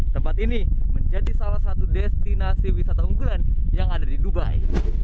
tempat ini menjadi salah satu destinasi wisata unggulan yang ada di dubai